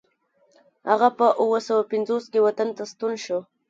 هغه په اوه سوه پنځوس کې وطن ته ستون شو.